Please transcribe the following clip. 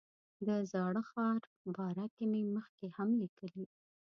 د زاړه ښار باره کې مې مخکې هم لیکلي.